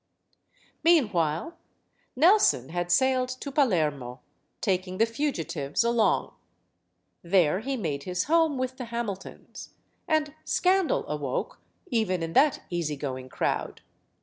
Meanwhile, Nelson had sailed to Palermo, taking the fugitives along. There he made his home with the Hamiltons. And scandal awoke, even in that easy going crowd.